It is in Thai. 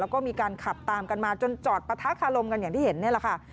แล้วก็มีการขับตามกันมาจนจอดปะทะคารมกันอย่างที่เห็นนี่แหละค่ะ